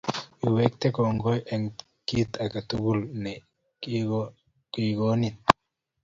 Iwekten kongoi eng' kiy ake tukul ne kikonin